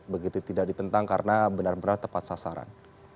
begitu tidak ditentang karena benar benar tepat sasaran